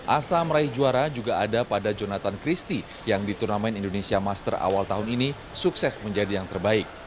asa meraih juara juga ada pada jonathan christie yang di turnamen indonesia master awal tahun ini sukses menjadi yang terbaik